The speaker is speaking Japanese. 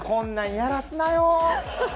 やらすなよ。